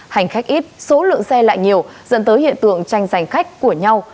hành khách ít số lượng xe lại nhiều dẫn tới hiện tượng tranh giành khách của nhau